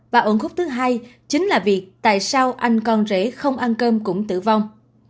và ẩn khúc thứ hai chính là việc tại sao anh con rể không ăn cơm cũng tử vong